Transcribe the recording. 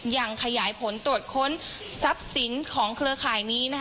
ยังขยายผลตรวจค้นทรัพย์สินของเครือข่ายนี้นะคะ